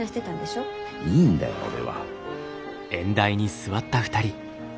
いいんだよ俺は。